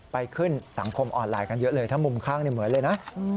ไปขึ้นสังคมออนไลน์กันเยอะเลยถ้ามุมข้างเหมือนเลยนะ